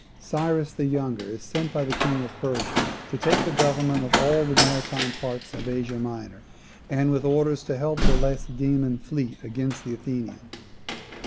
Cyrus the Younger is sent by the king of Persia to take the government of all the maritime parts of Asia Minor, and with orders to help the Lacedaemonian fleet against the Athenian.